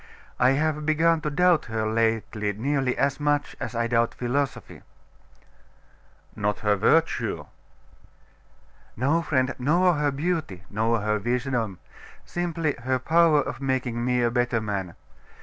I have begun to doubt her lately nearly as much as I doubt philosophy.' 'Not her virtue? 'No, friend; nor her beauty, nor her wisdom; simply her power of making me a better man.